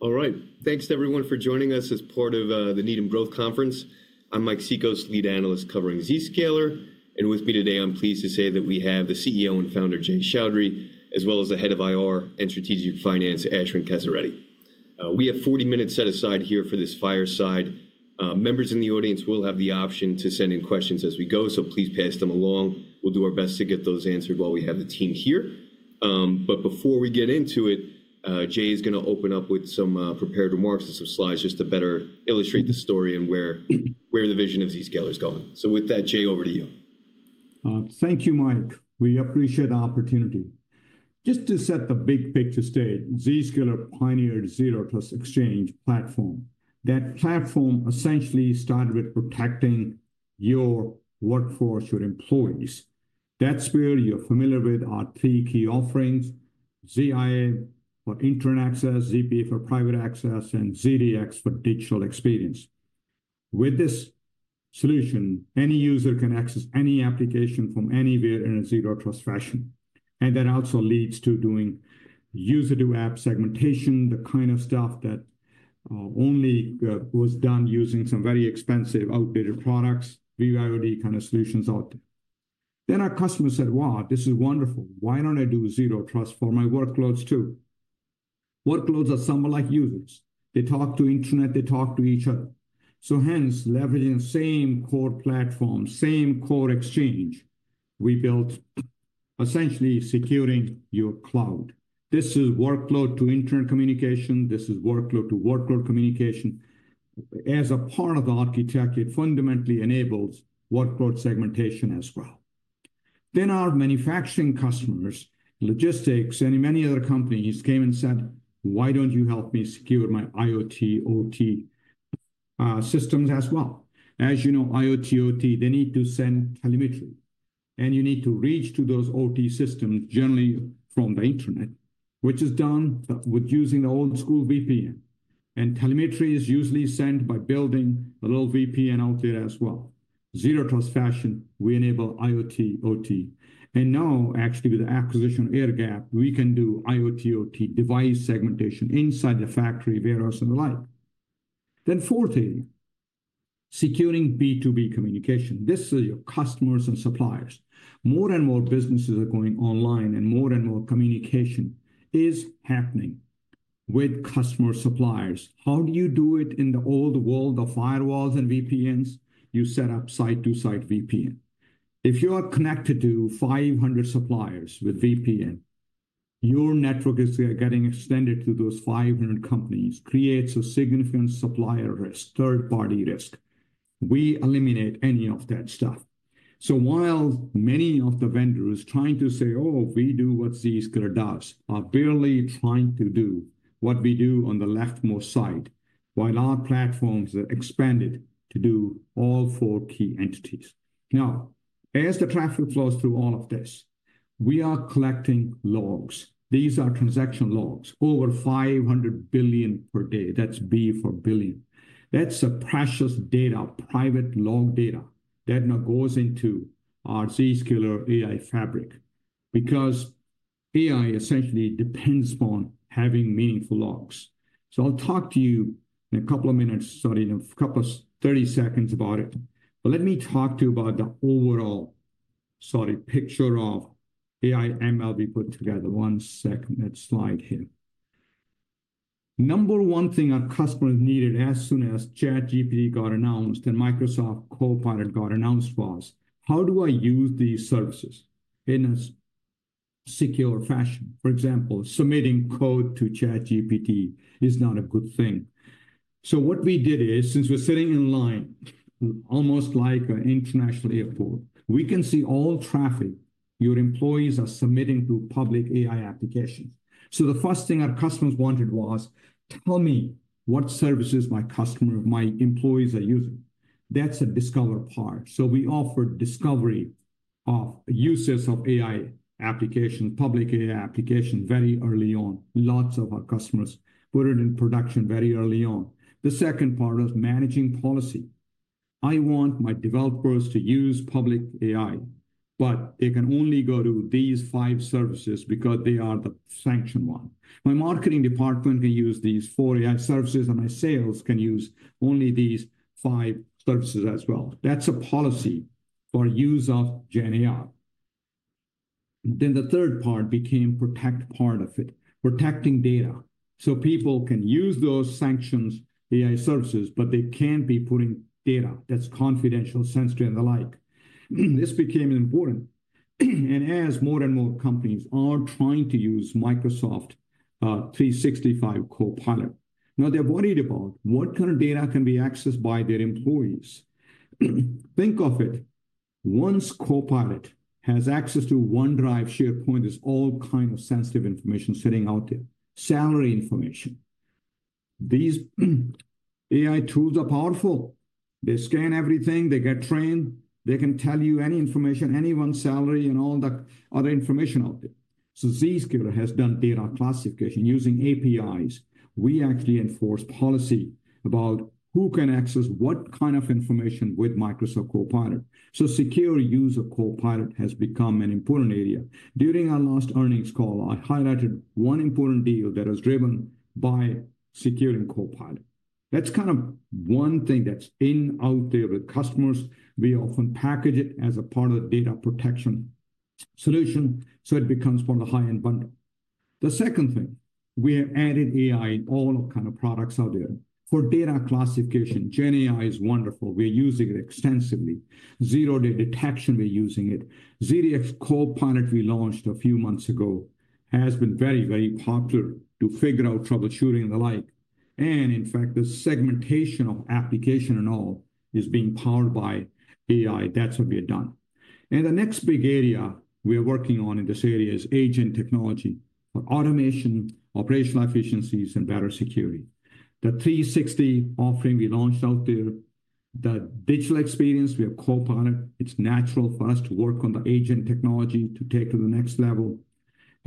All right. Thanks, everyone, for joining us as part of the Needham Growth Conference. I'm Mike Cikos, Lead Analyst covering Zscaler. And with me today, I'm pleased to say that we have the CEO and founder, Jay Chaudhry, as well as the Head of IR and Strategic Finance, Ashwin Kesireddy. We have 40 minutes set aside here for this fireside. Members in the audience will have the option to send in questions as we go, so please pass them along. We'll do our best to get those answered while we have the team here. But before we get into it, Jay is going to open up with some prepared remarks and some slides just to better illustrate the story and where the vision of Zscaler is going. So with that, Jay, over to you. Thank you, Mike. We appreciate the opportunity. Just to set the big picture state, Zscaler pioneered a Zero Trust Exchange platform. That platform essentially started with protecting your workforce, your employees. That's where you're familiar with our three key offerings: ZIA for internet access, ZPA for private access, and ZDX for digital experience. With this solution, any user can access any application from anywhere in a Zero Trust fashion, and that also leads to doing user-to-app segmentation, the kind of stuff that only was done using some very expensive outdated products, BYOD kind of solutions out there, then our customers said, "Wow, this is wonderful. Why don't I do Zero Trust for my workloads too?" Workloads are somewhat like users. They talk to internet. They talk to each other. So hence, leveraging the same core platform, same core exchange, we built essentially securing your cloud. This is workload-to-internet communication. This is workload-to-workload communication. As a part of the architecture, it fundamentally enables workload segmentation as well. Then our manufacturing customers, logistics, and many other companies came and said, "Why don't you help me secure my IoT/OT systems as well?" As you know, IoT/OT, they need to send telemetry. And you need to reach to those OT systems, generally from the internet, which is done with using the old-school VPN. And telemetry is usually sent by building a little VPN out there as well. In Zero Trust fashion, we enable IoT/OT. And now, actually, with the acquisition Airgap, we can do IoT/OT device segmentation inside the factory, warehouse, and the like. Then fourthly, securing B2B communication. This is your customers and suppliers. More and more businesses are going online, and more and more communication is happening with customers, suppliers. How do you do it in the old world of firewalls and VPNs? You set up site-to-site VPN. If you are connected to 500 suppliers with VPN, your network is getting extended to those 500 companies. Creates a significant supplier risk, third-party risk. We eliminate any of that stuff. So while many of the vendors trying to say, "Oh, we do what Zscaler does," are barely trying to do what we do on the leftmost side, while our platforms are expanded to do all four key entities. Now, as the traffic flows through all of this, we are collecting logs. These are transaction logs, over 500 billion per day. That's B for billion. That's a precious data, private log data that now goes into our Zscaler AI Fabric because AI essentially depends upon having meaningful logs. So I'll talk to you in a couple of minutes, sorry, in a couple of 30 seconds about it. But let me talk to you about the overall, sorry, picture of AI/ML we put together. One second, that slide here. Number one thing our customers needed as soon as ChatGPT got announced and Microsoft Copilot got announced for us, how do I use these services in a secure fashion? For example, submitting code to ChatGPT is not a good thing. So what we did is, since we're sitting in line, almost like an international airport, we can see all traffic your employees are submitting through public AI applications. So the first thing our customers wanted was, "Tell me what services my customer, my employees are using." That's a discovery part. So we offered discovery of uses of AI applications, public AI applications very early on. Lots of our customers put it in production very early on. The second part is managing policy. I want my developers to use public AI, but it can only go to these five services because they are the sanctioned one. My marketing department can use these four AI services, and my sales can use only these five services as well. That's a policy for use of Gen AI. The third part became the protection part of it, protecting data, so people can use those sanctioned AI services, but they can't be putting data that's confidential, sensitive, and the like. This became important, and as more and more companies are trying to use Microsoft 365 Copilot, now they're worried about what kind of data can be accessed by their employees. Think of it. Once Copilot has access to OneDrive, SharePoint, there's all kinds of sensitive information sitting out there, salary information. These AI tools are powerful. They scan everything. They get trained. They can tell you any information, anyone's salary, and all the other information out there. So Zscaler has done data classification using APIs. We actually enforce policy about who can access what kind of information with Microsoft Copilot. So secure use of Copilot has become an important area. During our last earnings call, I highlighted one important deal that was driven by securing Copilot. That's kind of one thing that's out there with customers. We often package it as a part of the data protection solution, so it becomes part of the high-end bundle. The second thing, we have added AI in all kinds of products out there. For data classification, Gen AI is wonderful. We're using it extensively. Zero-day detection, we're using it. ZDX Copilot we launched a few months ago has been very, very popular to figure out troubleshooting and the like, and in fact, the segmentation of application and all is being powered by AI. That's what we have done, and the next big area we are working on in this area is agent technology for automation, operational efficiencies, and better security. The 360 offering we launched out there, the digital experience, we have Copilot. It's natural for us to work on the agent technology to take to the next level.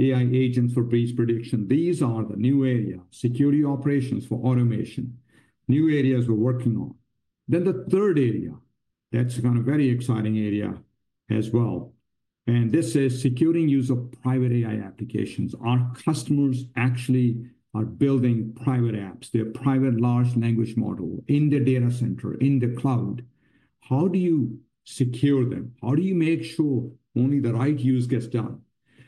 AI agents for breach prediction. These are the new area. Security operations for automation. New areas we're working on. Then the third area, that's kind of a very exciting area as well, and this is securing use of private AI applications. Our customers actually are building private apps. They're private large language models in the data center, in the cloud. How do you secure them? How do you make sure only the right use gets done?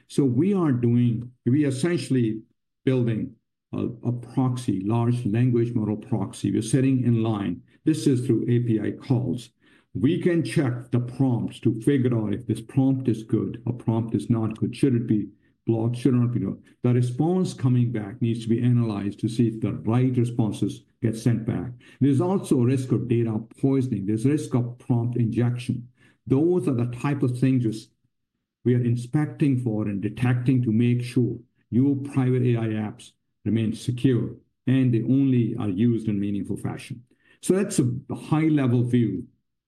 So we are doing, we are essentially building a proxy, large language model proxy. We're sitting in line. This is through API calls. We can check the prompts to figure out if this prompt is good, a prompt is not good. Should it be blocked? Should it not be blocked? The response coming back needs to be analyzed to see if the right responses get sent back. There's also a risk of data poisoning. There's a risk of prompt injection. Those are the type of things we are inspecting for and detecting to make sure your private AI apps remain secure and they only are used in a meaningful fashion. So that's a high-level view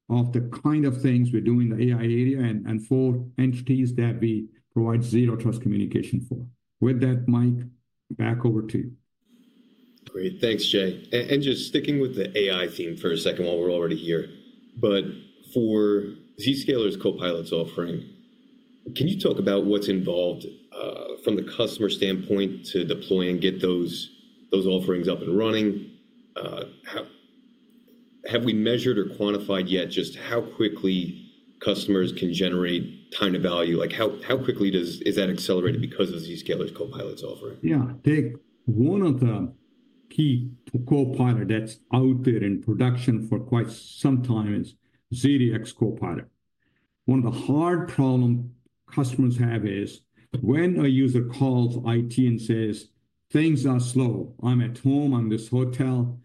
of the kind of things we're doing in the AI area and for entities that we provide zero-trust communication for. With that, Mike, back over to you. Great. Thanks, Jay. And just sticking with the AI theme for a second while we're already here. But for Zscaler's Copilot offering, can you talk about what's involved from the customer standpoint to deploy and get those offerings up and running? Have we measured or quantified yet just how quickly customers can generate time to value? How quickly is that accelerated because of Zscaler's Copilot offering? Yeah. One of the key Copilot that's out there in production for quite some time is ZDX Copilot. One of the hard problems customers have is when a user calls IT and says, "Things are slow. I'm at home. I'm in this hotel.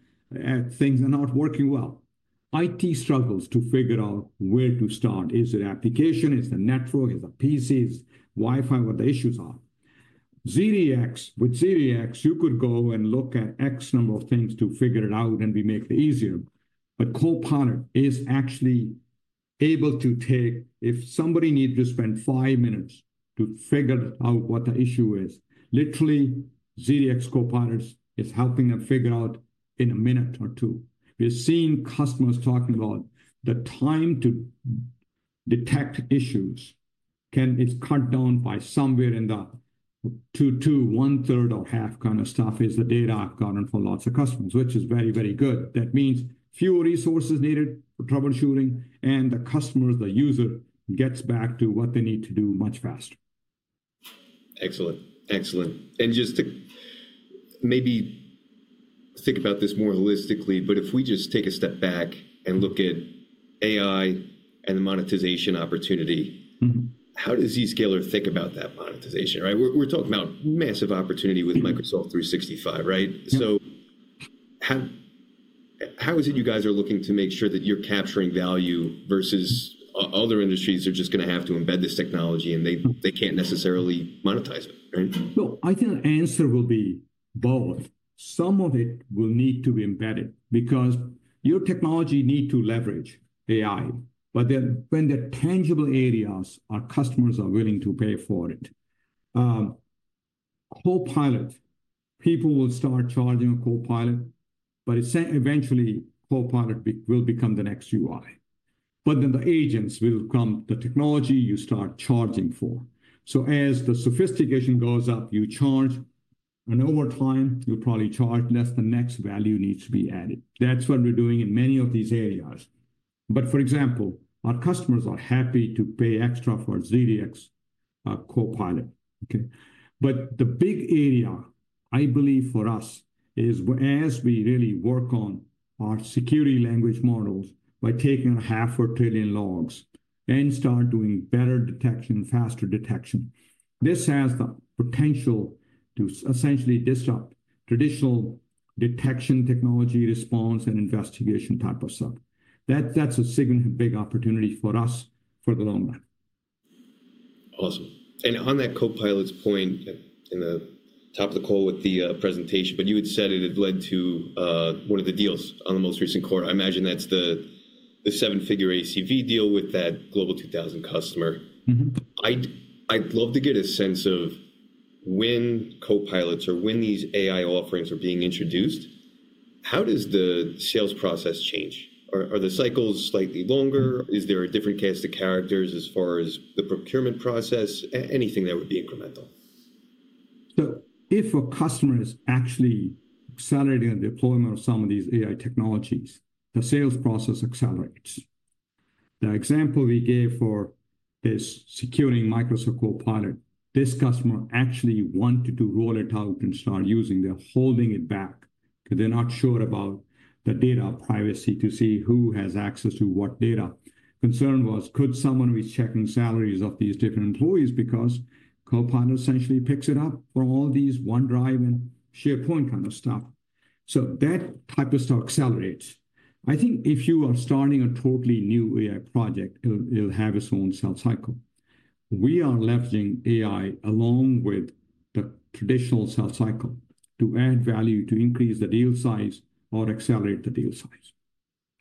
Things are not working well." IT struggles to figure out where to start. Is it application? Is it network? Is it PCs? Wi-Fi? What the issues are? With ZDX, you could go and look at X number of things to figure it out, and we make it easier. But Copilot is actually able to take, if somebody needs to spend five minutes to figure out what the issue is, literally, ZDX Copilot is helping them figure out in a minute or two. We're seeing customers talking about the time to detect issues can be cut down by somewhere in the two-thirds to one-third or half kind of stuff is the data I've gotten for lots of customers, which is very, very good. That means fewer resources needed for troubleshooting, and the customers, the user, gets back to what they need to do much faster. Excellent. Excellent, and just to maybe think about this more holistically, but if we just take a step back and look at AI and the monetization opportunity, how does Zscaler think about that monetization? We're talking about massive opportunity with Microsoft 365, right? So how is it you guys are looking to make sure that you're capturing value versus other industries are just going to have to embed this technology and they can't necessarily monetize it? I think the answer will be both. Some of it will need to be embedded because your technology needs to leverage AI, but when the tangible areas our customers are willing to pay for it, Copilot, people will start charging a Copilot, but eventually, Copilot will become the next UI. But then the agents will come to the technology you start charging for. So as the sophistication goes up, you charge, and over time, you'll probably charge less. The next value needs to be added. That's what we're doing in many of these areas. But for example, our customers are happy to pay extra for ZDX Copilot. But the big area, I believe, for us is as we really work on our security language models by taking 500 billion logs and start doing better detection, faster detection. This has the potential to essentially disrupt traditional detection technology, response, and investigation type of stuff. That's a significant big opportunity for us for the long run. Awesome. And on that Copilot's point, in the top of the call with the presentation, but you had said it had led to one of the deals on the most recent quarter. I imagine that's the seven-figure ACV deal with that Global 2000 customer. I'd love to get a sense of when Copilots or when these AI offerings are being introduced, how does the sales process change? Are the cycles slightly longer? Is there a different cast of characters as far as the procurement process? Anything that would be incremental? So if a customer is actually accelerating the deployment of some of these AI technologies, the sales process accelerates. The example we gave for this, securing Microsoft Copilot, this customer actually wanted to roll it out and start using them, holding it back because they're not sure about the data privacy to see who has access to what data. Concern was, could someone be checking salaries of these different employees? Because Copilot essentially picks it up for all these OneDrive and SharePoint kind of stuff. So that type of stuff accelerates. I think if you are starting a totally new AI project, it'll have its own sales cycle. We are leveraging AI along with the traditional sales cycle to add value, to increase the deal size or accelerate the deal size,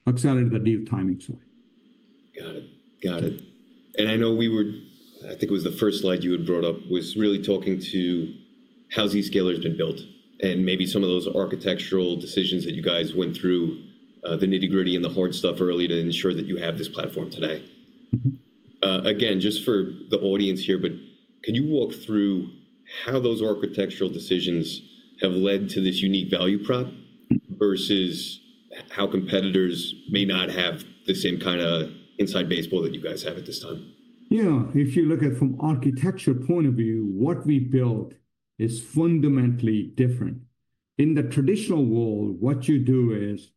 accelerate the deal timing size. Got it. Got it. And I know we were, I think it was the first slide you had brought up, was really talking to how Zscaler has been built and maybe some of those architectural decisions that you guys went through, the nitty-gritty and the hard stuff early to ensure that you have this platform today. Again, just for the audience here, but can you walk through how those architectural decisions have led to this unique value prop versus how competitors may not have the same kind of inside baseball that you guys have at this time? Yeah. If you look at it from an architecture point of view, what we built is fundamentally different. In the traditional world, what you do is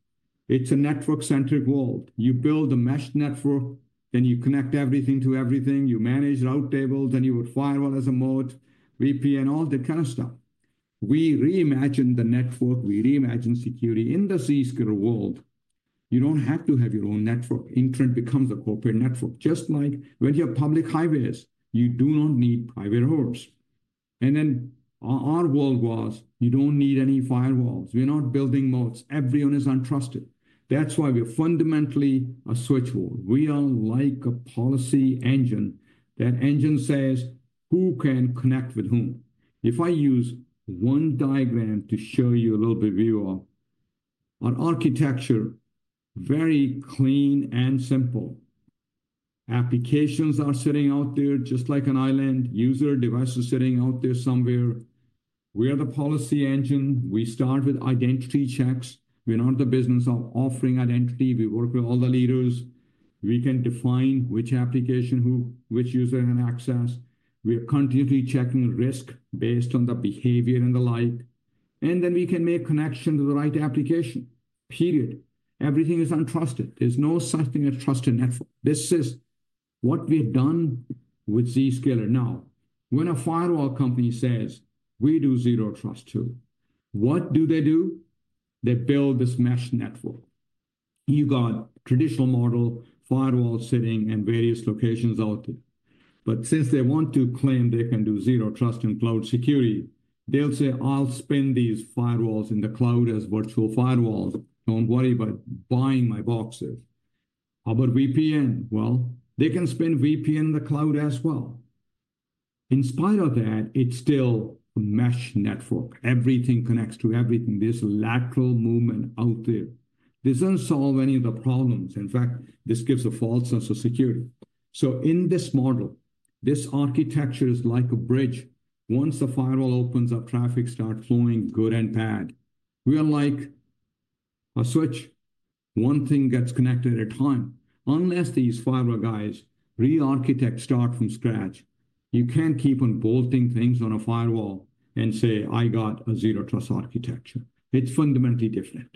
it's a network-centric world. You build a mesh network, then you connect everything to everything. You manage route tables, then you would firewall as a moat, VPN, all that kind of stuff. We reimagined the network. We reimagined security. In the Zscaler world, you don't have to have your own network. Internet becomes a corporate network. Just like when you have public highways, you do not need private roads, and then our world was, you don't need any firewalls. We're not building moats. Everyone is untrusted. That's why we're fundamentally a switchboard. We are like a policy engine. That engine says, "Who can connect with whom?" If I use one diagram to show you a little bit view of our architecture, very clean and simple. Applications are sitting out there just like an island. User devices are sitting out there somewhere. We are the policy engine. We start with identity checks. We're not the business of offering identity. We work with all the leaders. We can define which application, which user can access. We are continually checking risk based on the behavior and the like. And then we can make connection to the right application. Period. Everything is untrusted. There's no such thing as trusted network. This is what we have done with Zscaler. Now, when a firewall company says, "We do Zero Trust too," what do they do? They build this mesh network. You've got a traditional model, firewall sitting in various locations out there. But since they want to claim they can do Zero Trust in cloud security, they'll say, "I'll spin up these firewalls in the cloud as virtual firewalls. Don't worry about buying my boxes." How about VPN? Well, they can spin up VPN in the cloud as well. In spite of that, it's still a mesh network. Everything connects to everything. There's a lateral movement out there. This doesn't solve any of the problems. In fact, this gives a false sense of security. So in this model, this architecture is like a bridge. Once the firewall opens up, traffic starts flowing, good and bad. We are like a switch. One thing gets connected at a time. Unless these firewall guys re-architect or start from scratch, you can't keep on bolting things on a firewall and say, "I got a Zero Trust architecture." It's fundamentally different.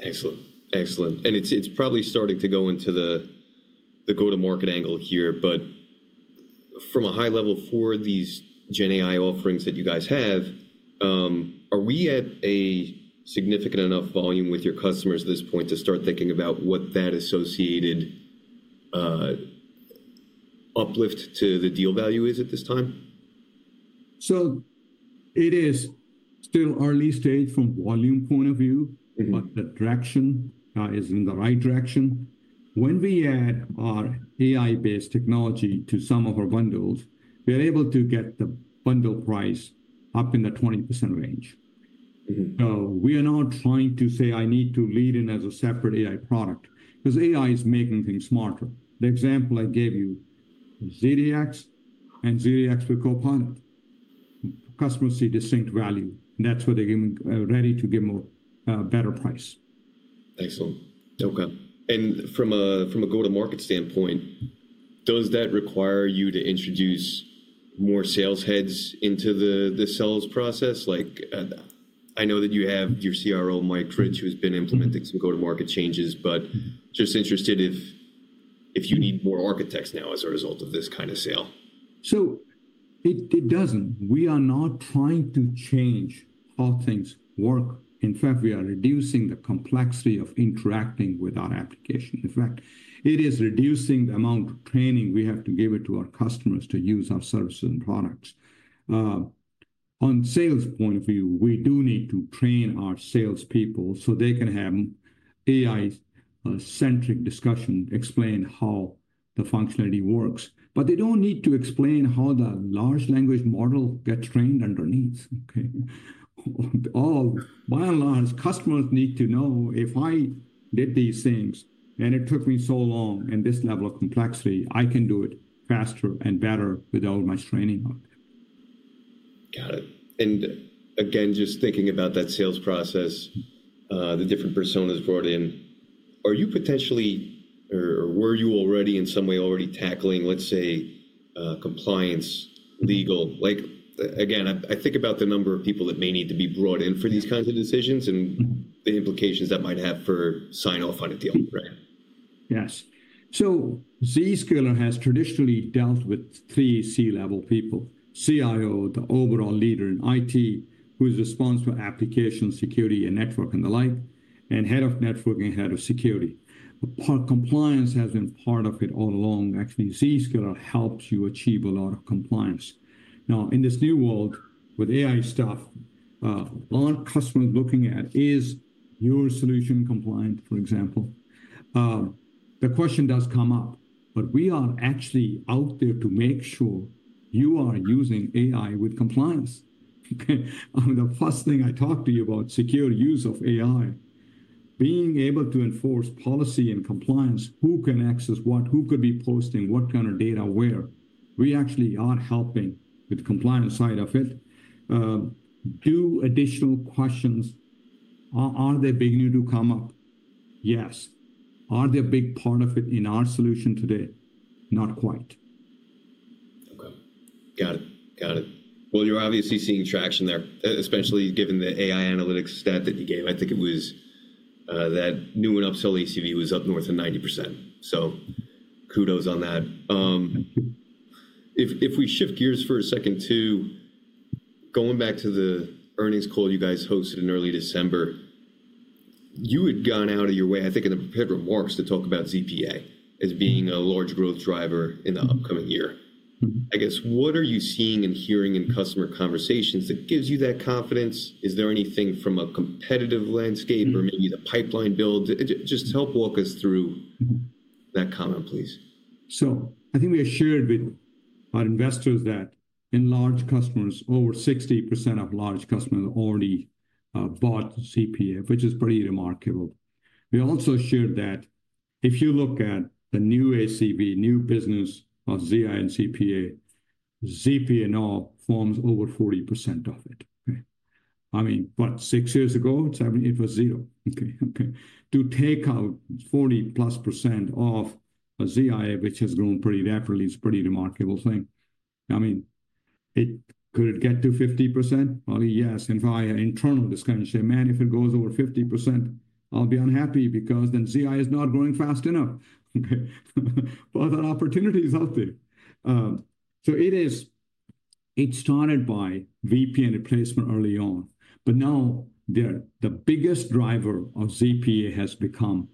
Excellent. Excellent. And it's probably starting to go into the go-to-market angle here. But from a high level for these GenAI offerings that you guys have, are we at a significant enough volume with your customers at this point to start thinking about what that associated uplift to the deal value is at this time? So it is still early stage from volume point of view, but the direction is in the right direction. When we add our AI-based technology to some of our bundles, we are able to get the bundle price up in the 20% range. So we are not trying to say, "I need to lead in as a separate AI product," because AI is making things smarter. The example I gave you, ZDX and ZDX with Copilot, customers see distinct value. That's why they're ready to give a better price. Excellent. Okay. And from a go-to-market standpoint, does that require you to introduce more sales heads into the sales process? I know that you have your CRO, Mike Rich, who's been implementing some go-to-market changes, but just interested if you need more architects now as a result of this kind of sale. So it doesn't. We are not trying to change how things work. In fact, we are reducing the complexity of interacting with our application. In fact, it is reducing the amount of training we have to give it to our customers to use our services and products. From a sales point of view, we do need to train our salespeople so they can have AI-centric discussion, explain how the functionality works. But they don't need to explain how the large language model gets trained underneath. By and large, customers need to know, "If I did these things and it took me so long and this level of complexity, I can do it faster and better with all my training on it. Got it. And again, just thinking about that sales process, the different personas brought in, are you potentially or were you already in some way already tackling, let's say, compliance, legal? Again, I think about the number of people that may need to be brought in for these kinds of decisions and the implications that might have for sign-off on a deal, right? Yes. So Zscaler has traditionally dealt with three C-level people: CIO, the overall leader in IT, who's responsible for application security and network and the like, and head of network and head of security. Compliance has been part of it all along. Actually, Zscaler helps you achieve a lot of compliance. Now, in this new world with AI stuff, a lot of customers looking at is your solution compliant, for example. The question does come up, but we are actually out there to make sure you are using AI with compliance. The first thing I talk to you about, secure use of AI, being able to enforce policy and compliance, who can access what, who could be posting what kind of data where. We actually are helping with the compliance side of it. Do additional questions? Are they beginning to come up? Yes. Are they a big part of it in our solution today? Not quite. Okay. Got it. Got it. Well, you're obviously seeing traction there, especially given the AI analytics stat that you gave. I think it was that new and upsell ACV was up north of 90%. So kudos on that. If we shift gears for a second to going back to the earnings call you guys hosted in early December, you had gone out of your way, I think, in the remarks to talk about ZPA as being a large growth driver in the upcoming year. I guess, what are you seeing and hearing in customer conversations that gives you that confidence? Is there anything from a competitive landscape or maybe the pipeline build? Just help walk us through that comment, please. So I think we assured with our investors that in large customers, over 60% of large customers already bought ZPA, which is pretty remarkable. We also shared that if you look at the new ACV, new business of ZI and ZPA, ZPA now forms over 40% of it. I mean, but six years ago, it was zero. To take out 40-plus % of a ZI, which has grown pretty rapidly, is a pretty remarkable thing. I mean, could it get to 50%? Probably yes. And via internal discussion, say, "Man, if it goes over 50%, I'll be unhappy because then ZI is not growing fast enough." But there are opportunities out there. So it started by VPN replacement early on. But now the biggest driver of ZPA has become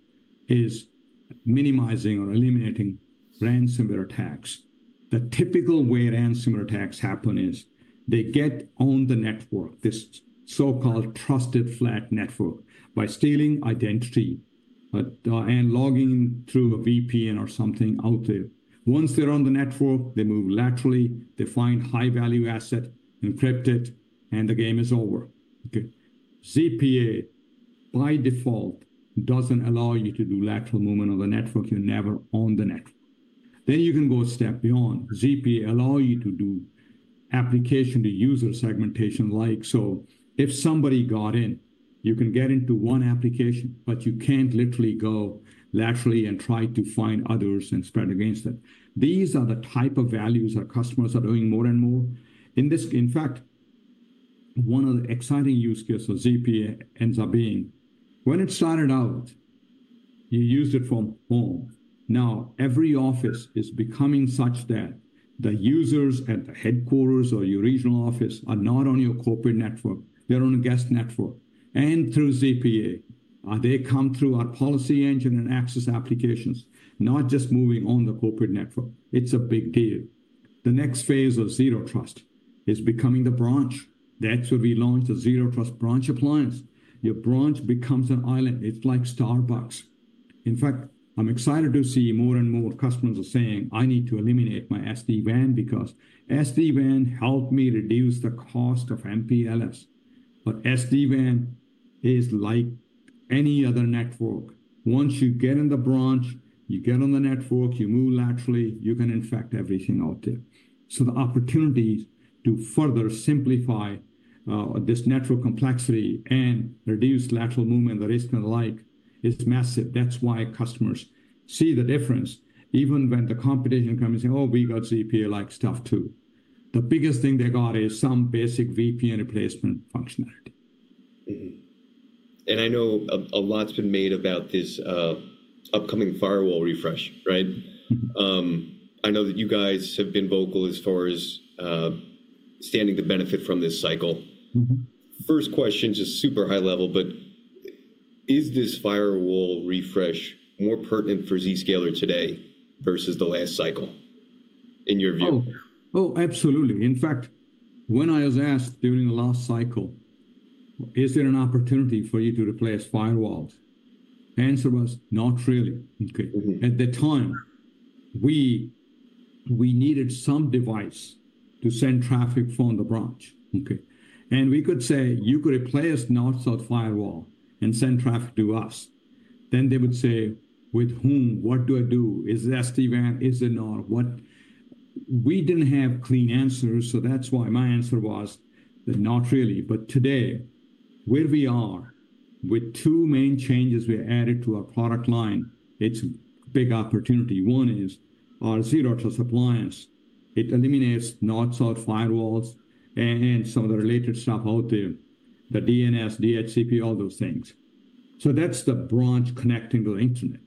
minimizing or eliminating ransomware attacks. The typical way ransomware attacks happen is they get on the network, this so-called trusted flat network, by stealing identity and logging through a VPN or something out there. Once they're on the network, they move laterally, they find high-value asset, encrypt it, and the game is over. ZPA, by default, doesn't allow you to do lateral movement on the network. You're never on the network. Then you can go a step beyond. ZPA allows you to do application-to-user segmentation like, so if somebody got in, you can get into one application, but you can't literally go laterally and try to find others and spread against it. These are the type of values our customers are doing more and more. In this, in fact, one of the exciting use cases of ZPA ends up being, when it started out, you used it from home. Now, every office is becoming such that the users at the headquarters or your regional office are not on your corporate network. They're on a guest network, and through ZPA they come through our policy engine and access applications, not just moving on the corporate network. It's a big deal. The next phase of Zero Trust is becoming the branch. That's where we launched a Zero Trust Branch appliance. Your branch becomes an island. It's like Starbucks. In fact, I'm excited to see more and more customers are saying, "I need to eliminate my SD-WAN because SD-WAN helped me reduce the cost of MPLS," but SD-WAN is like any other network. Once you get in the branch, you get on the network, you move laterally, you can infect everything out there. So the opportunity to further simplify this network complexity and reduce lateral movement, the risk and the like, is massive. That's why customers see the difference, even when the competition comes and say, "Oh, we got ZPA-like stuff too." The biggest thing they got is some basic VPN replacement functionality. I know a lot's been made about this upcoming firewall refresh, right? I know that you guys have been vocal as far as stand to benefit from this cycle. First question, just super high level, but is this firewall refresh more pertinent for Zscaler today versus the last cycle in your view? Oh, absolutely. In fact, when I was asked during the last cycle, "Is there an opportunity for you to replace firewalls?" The answer was, "Not really." At the time, we needed some device to send traffic from the branch. And we could say, "You could replace North-South firewall and send traffic to us." Then they would say, "With whom? What do I do? Is it SD-WAN? Is it not?" We didn't have clean answers, so that's why my answer was, "Not really." But today, where we are with two main changes we added to our product line, it's a big opportunity. One is our Zero Trust appliance. It eliminates North-South firewalls and some of the related stuff out there, the DNS, DHCP, all those things. So that's the branch connecting to the internet.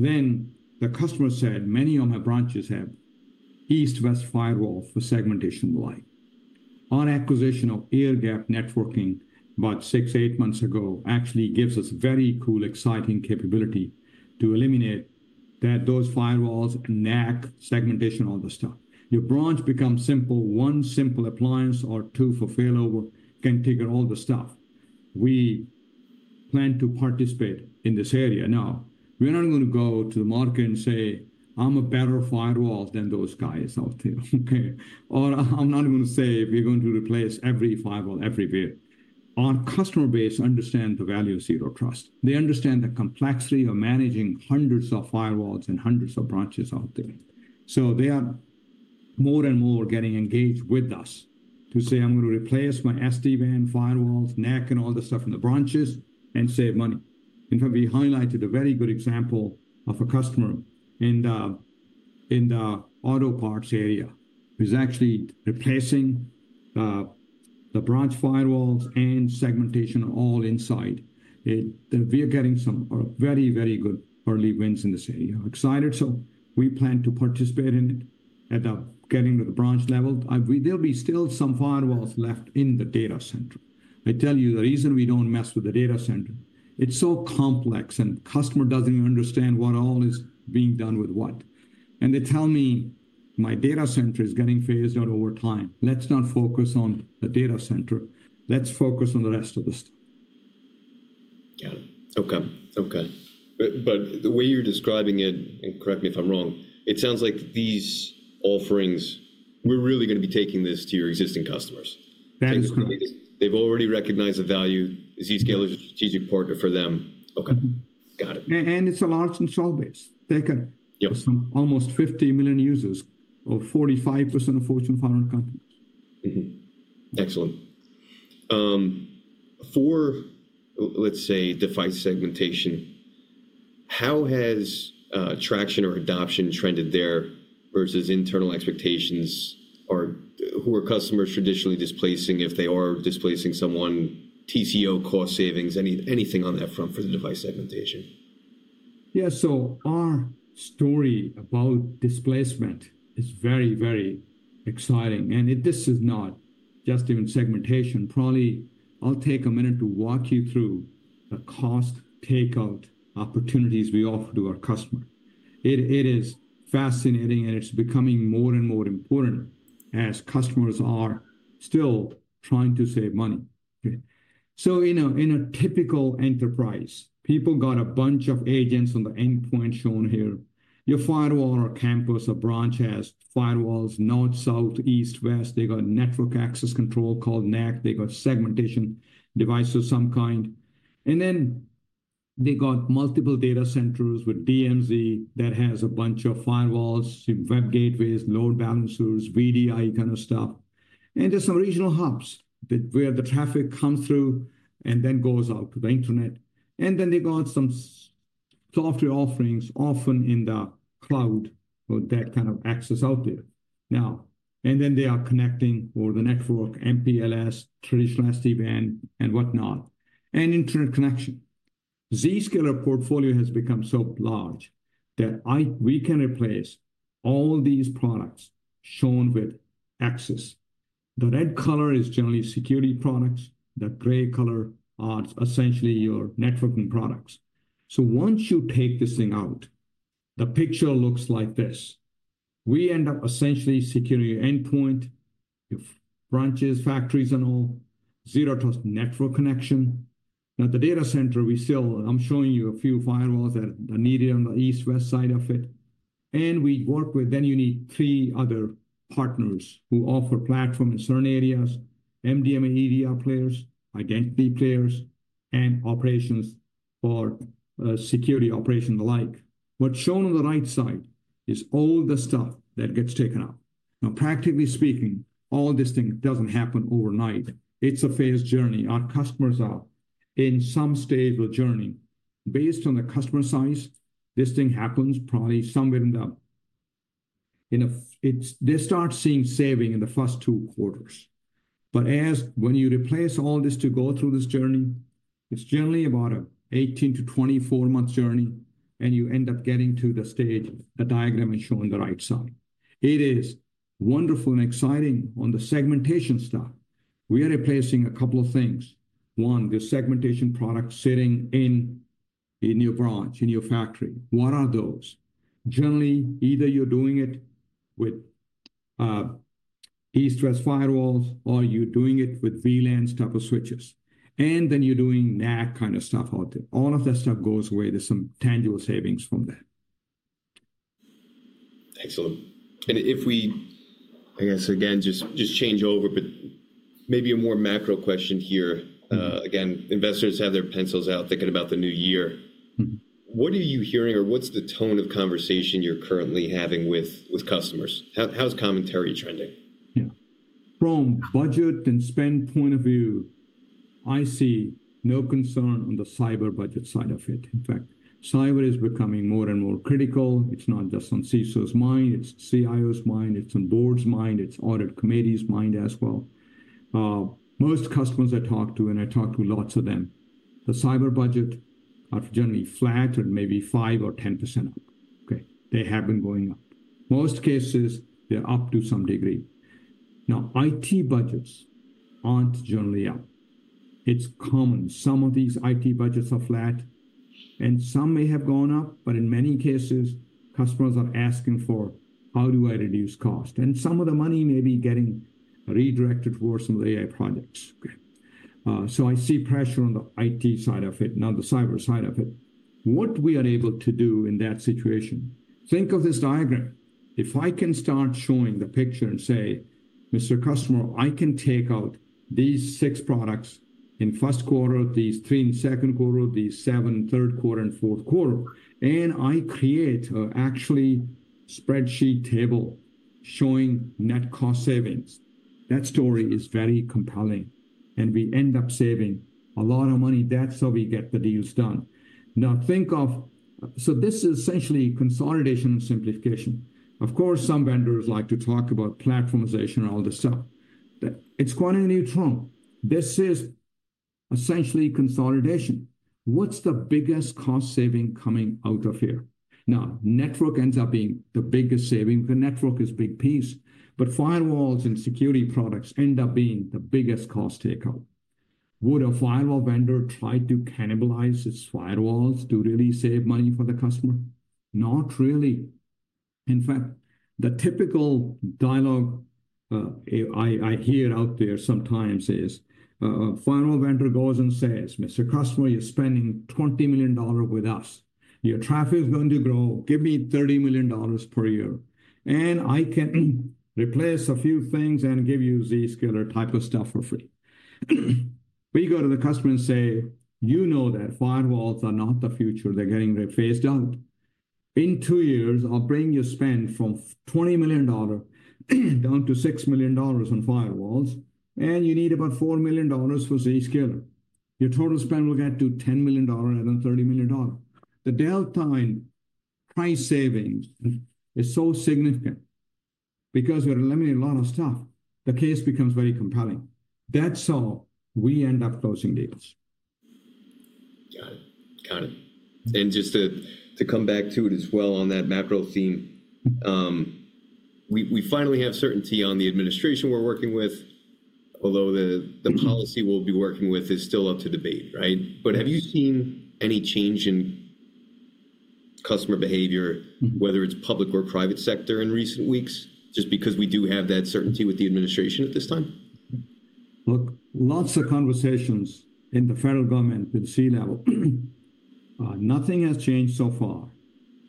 Then the customer said, "Many of my branches have East-West firewall for segmentation and the like." Our acquisition of Airgap Networking about six to eight months ago actually gives us a very cool, exciting capability to eliminate those firewalls and NAC segmentation and all the stuff. Your branch becomes simple. One simple appliance or two for failover can trigger all the stuff. We plan to participate in this area. Now, we're not going to go to the market and say, "I'm a better firewall than those guys out there." Or I'm not going to say, "We're going to replace every firewall everywhere." Our customer base understands the value of Zero Trust. They understand the complexity of managing hundreds of firewalls and hundreds of branches out there. So they are more and more getting engaged with us to say, "I'm going to replace my SD-WAN firewalls, NAC, and all the stuff in the branches and save money." In fact, we highlighted a very good example of a customer in the auto parts area who's actually replacing the branch firewalls and segmentation all inside. We are getting some very, very good early wins in this area. Excited. So we plan to participate in it at the getting to the branch level. There'll be still some firewalls left in the data center. I tell you, the reason we don't mess with the data center, it's so complex and the customer doesn't even understand what all is being done with what. And they tell me, "My data center is getting phased out over time. Let's not focus on the data center. Let's focus on the rest of the stuff. Got it. Okay. But the way you're describing it, and correct me if I'm wrong, it sounds like these offerings. We're really going to be taking this to your existing customers. That is correct. They've already recognized the value. Zscaler is a strategic partner for them. Okay. Got it. It's a large and solid base. They've got almost 50 million users or 45% of Fortune 500 companies. Excellent. For, let's say, device segmentation, how has traction or adoption trended there versus internal expectations? Who are customers traditionally displacing if they are displacing someone? TCO, cost savings, anything on that front for the device segmentation? Yeah. So our story about displacement is very, very exciting. And this is not just even segmentation. Probably I'll take a minute to walk you through the cost takeout opportunities we offer to our customer. It is fascinating, and it's becoming more and more important as customers are still trying to save money. So in a typical enterprise, people got a bunch of agents on the endpoint shown here. Your firewall or campus, a branch has firewalls, north, south, east, west. They got network access control called NAC. They got segmentation devices of some kind. And then they got multiple data centers with DMZ that has a bunch of firewalls, web gateways, load balancers, VDI kind of stuff. And there's some regional hubs where the traffic comes through and then goes out to the internet. And then they got some software offerings, often in the cloud for that kind of access out there. Now and then they are connecting over the network, MPLS, traditional SD-WAN, and whatnot, and internet connection. Zscaler portfolio has become so large that we can replace all these products shown with access. The red color is generally security products. The gray color is essentially your networking products. So once you take this thing out, the picture looks like this. We end up essentially securing your endpoint, your branches, factories, and all, Zero Trust network connection. Now, the data center, we still, I'm showing you a few firewalls that are needed on the east-west side of it. And we work with, then you need three other partners who offer platforms in certain areas, MDM and EDR players, identity players, and operations for security operations and the like. What's shown on the right side is all the stuff that gets taken out. Now, practically speaking, all this thing doesn't happen overnight. It's a phased journey. Our customers are in some stage of the journey. Based on the customer size, this thing happens probably somewhere in the, they start seeing savings in the first two quarters. But when you replace all this to go through this journey, it's generally about an 18 to 24-month journey, and you end up getting to the stage the diagram is shown on the right side. It is wonderful and exciting on the segmentation stuff. We are replacing a couple of things. One, the segmentation product sitting in your branch, in your factory. What are those? Generally, either you're doing it with East-West firewalls or you're doing it with VLANs type of switches. And then you're doing NAC kind of stuff out there. All of that stuff goes away. There's some tangible savings from that. Excellent. And if we, I guess, again, just change over, but maybe a more macro question here. Again, investors have their pencils out thinking about the new year. What are you hearing or what's the tone of conversation you're currently having with customers? How's commentary trending? From budget and spend point of view, I see no concern on the cyber budget side of it. In fact, cyber is becoming more and more critical. It's not just on CISO's mind, it's CIO's mind, it's on board's mind, it's audit committee's mind as well. Most customers I talk to, and I talk to lots of them, the cyber budgets are generally flat or maybe 5% or 10% up. They have been going up. Most cases, they're up to some degree. Now, IT budgets aren't generally up. It's common. Some of these IT budgets are flat, and some may have gone up, but in many cases, customers are asking for, "How do I reduce cost?" And some of the money may be getting redirected towards some of the AI projects. So I see pressure on the IT side of it, not the cyber side of it. What we are able to do in that situation, think of this diagram. If I can start showing the picture and say, "Mr. Customer, I can take out these six products in first quarter, these three in second quarter, these seven in third quarter and fourth quarter," and I create an actual spreadsheet table showing net cost savings, that story is very compelling, and we end up saving a lot of money. That's how we get the deals done. Now, think of, so this is essentially consolidation and simplification. Of course, some vendors like to talk about platformization and all this stuff. It's quite a notion. This is essentially consolidation. What's the biggest cost saving coming out of here? Now, network ends up being the biggest saving. The network is a big piece, but firewalls and security products end up being the biggest cost takeout. Would a firewall vendor try to cannibalize its firewalls to really save money for the customer? Not really. In fact, the typical dialogue I hear out there sometimes is a firewall vendor goes and says, "Mr. Customer, you're spending $20 million with us. Your traffic is going to grow. Give me $30 million per year, and I can replace a few things and give you Zscaler type of stuff for free." We go to the customer and say, "You know that firewalls are not the future. They're getting phased out. In two years, I'll bring your spend from $20 million down to $6 million on firewalls, and you need about $4 million for Zscaler. Your total spend will get to $10 million and then $30 million." The delta in price savings is so significant because we're eliminating a lot of stuff. The case becomes very compelling. That's how we end up closing deals. Got it. Got it. And just to come back to it as well on that macro theme, we finally have certainty on the administration we're working with, although the policy we'll be working with is still up to debate, right? But have you seen any change in customer behavior, whether it's public or private sector in recent weeks, just because we do have that certainty with the administration at this time? Look, lots of conversations in the federal government at the C-level. Nothing has changed so far,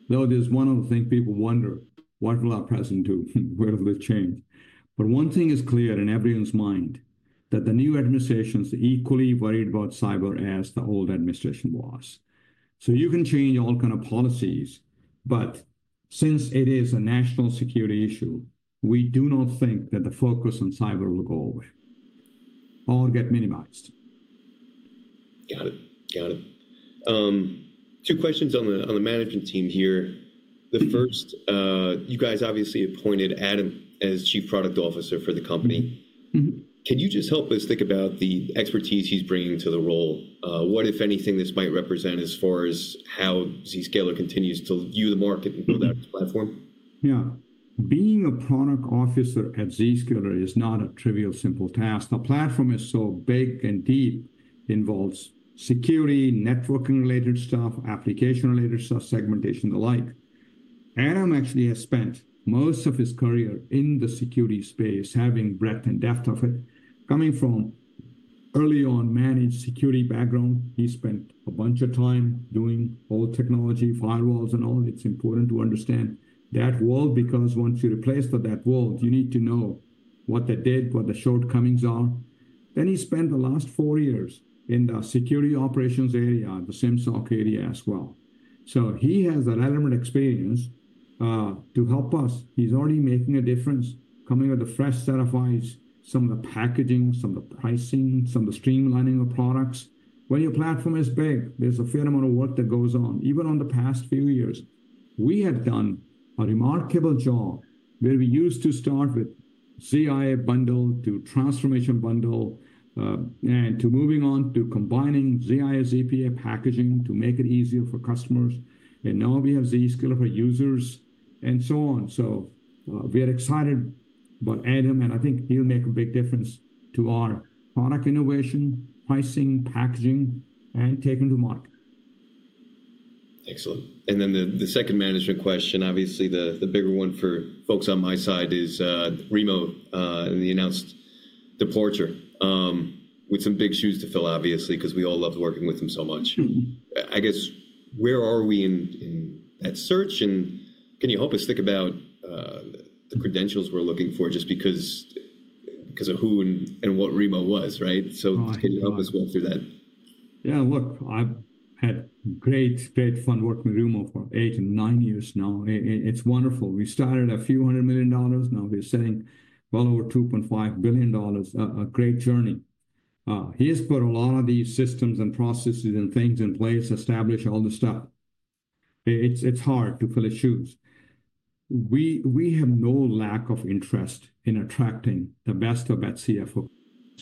though there's one other thing people wonder, "What will our president do? Where will this change?" But one thing is clear in everyone's mind that the new administration is equally worried about cyber as the old administration was. So you can change all kinds of policies, but since it is a national security issue, we do not think that the focus on cyber will go away or get minimized. Got it. Got it. Two questions on the management team here. The first, you guys obviously appointed Adam as Chief Product Officer for the company. Can you just help us think about the expertise he's bringing to the role? What, if anything, this might represent as far as how Zscaler continues to view the market and build out its platform? Yeah. Being a product officer at Zscaler is not a trivial simple task. The platform is so big and deep. It involves security, networking-related stuff, application-related stuff, segmentation, and the like. Adam actually has spent most of his career in the security space, having breadth and depth of it. Coming from an early-on managed security background, he spent a bunch of time doing old technology, firewalls, and all. It's important to understand that world because once you replace that world, you need to know what they did, what the shortcomings are. Then he spent the last four years in the security operations area, the SIEM/SOC area as well. So he has that element of experience to help us. He's already making a difference, coming with a fresh set of eyes, some of the packaging, some of the pricing, some of the streamlining of products. When your platform is big, there's a fair amount of work that goes on. Even on the past few years, we have done a remarkable job where we used to start with ZIA bundle to transformation bundle and to moving on to combining ZIA ZPA packaging to make it easier for customers, and now we have Zscaler for Users and so on, so we are excited about Adam, and I think he'll make a big difference to our product innovation, pricing, packaging, and taking to market. Excellent. And then the second management question, obviously the bigger one for folks on my side is Remo and the announced departure with some big shoes to fill, obviously, because we all loved working with him so much. I guess, where are we in that search? And can you help us think about the credentials we're looking for just because of who and what Remo was, right? So can you help us go through that? Yeah. Look, I've had great, great fun working with Remo for eight and nine years now. It's wonderful. We started a few hundred million dollars. Now we're sitting well over $2.5 billion. A great journey. He's put a lot of these systems and processes and things in place, established all the stuff. It's hard to fill his shoes. We have no lack of interest in attracting the best of that CFO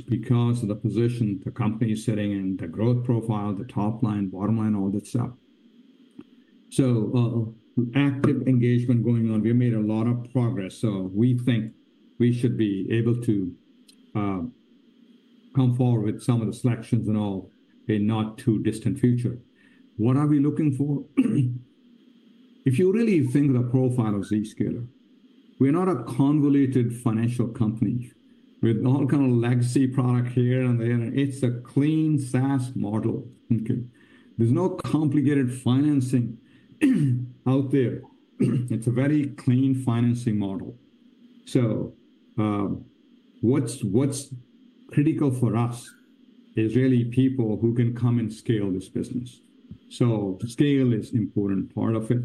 because of the position, the company setting, and the growth profile, the top line, bottom line, all that stuff. So active engagement going on. We made a lot of progress. So we think we should be able to come forward with some of the selections and all in not too distant future. What are we looking for? If you really think of the profile of Zscaler, we're not a convoluted financial company with all kinds of legacy products here and there. It's a clean SaaS model. There's no complicated financing out there. It's a very clean financing model. So what's critical for us is really people who can come and scale this business. So scale is an important part of it.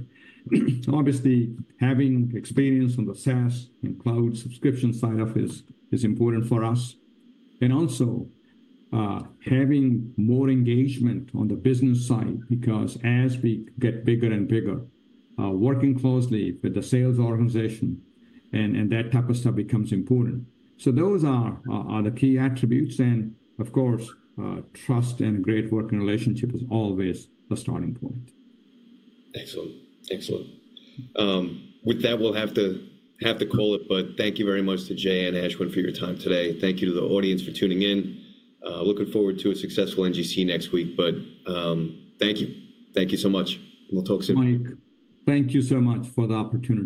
Obviously, having experience on the SaaS and cloud subscription side of it is important for us. And also having more engagement on the business side because as we get bigger and bigger, working closely with the sales organization and that type of stuff becomes important. So those are the key attributes. And of course, trust and a great working relationship is always the starting point. Excellent. Excellent. With that, we'll have to call it, but thank you very much to Jay and Ashwin for your time today. Thank you to the audience for tuning in. Looking forward to a successful NGC next week, but thank you. Thank you so much. We'll talk soon. Mike, thank you so much for the opportunity.